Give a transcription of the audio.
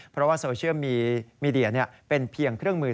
เพราะว่าโซเชียลมีเดียเป็นเพียงเครื่องมือ